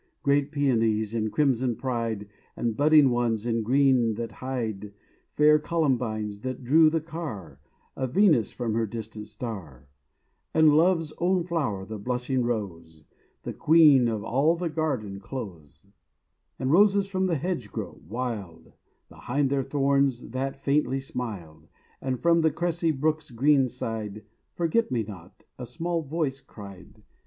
Great Peonies in crimson pride, And budding ones in green that hide: Fair Columbines that drew the car Of Venus from her distant star: And Love's own flower, the blushing Rose, The Queen of all the garden close: And Roses from the hedgerow wild, Behind their thorns that faintly smiled: And from the cressy brook's green side, "Forget me Not," a small voice cried.